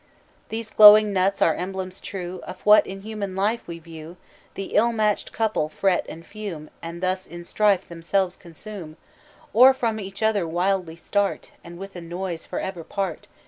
"These glowing nuts are emblems true Of what in human life we view; The ill matched couple fret and fume, And thus in strife themselves consume, Or from each other wildly start And with a noise forever part.